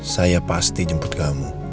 saya pasti jemput kamu